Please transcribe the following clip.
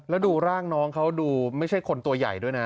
แล้วดูร่างน้องเขาดูไม่ใช่คนตัวใหญ่ด้วยนะ